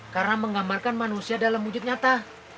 karena menggambarkan manusia dalam wujud nyata